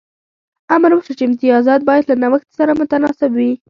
امر وشو چې امتیازات باید له نوښت سره متناسب وي.